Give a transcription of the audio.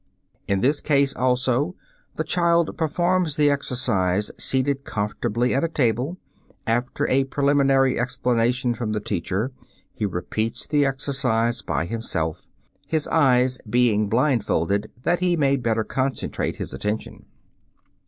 In this case also the child performs the exercise seated comfortably at a table. After a preliminary explanation from the teacher he repeats the exercise by himself, his eyes being blindfolded that he may better concentrate his attention.